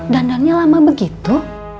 dandannya lama begitu